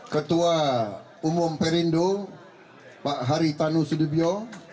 ketua umum perindo pak haritanu sudibyo